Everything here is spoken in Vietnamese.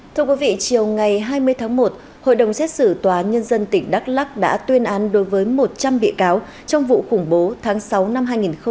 thưa quý vị chiều ngày hai mươi tháng một hội đồng xét xử tòa án nhân dân tỉnh đắk lắc đã tuyên án đối với một trăm linh bị cáo trong vụ khủng bố tháng sáu năm hai nghìn một mươi chín